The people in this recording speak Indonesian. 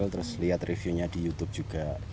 terus lihat reviewnya di youtube juga